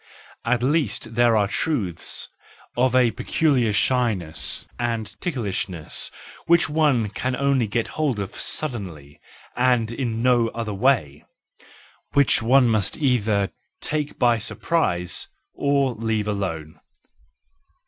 At 350 THE JOYFUL WISDOM, V least there are truths of a peculiar shyness and ticklishness which one can only get hold of suddenly, and in no other way,—which one must either take by surprise , or leave alone.